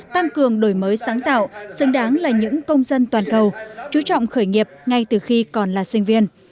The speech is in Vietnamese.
tăng cường đổi mới sáng tạo xứng đáng là những công dân toàn cầu chú trọng khởi nghiệp ngay từ khi còn là sinh viên